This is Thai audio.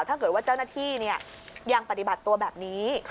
ถ้าเกิดว่าเจ้าหน้าที่ยังปฏิบัติตัวแบบนี้